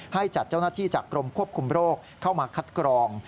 ให้จัดเจ้าหน้าที่จากกรมควบคุมโรคเข้ามาคัดกรอง